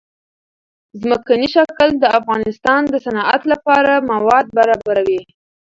ځمکنی شکل د افغانستان د صنعت لپاره مواد برابروي.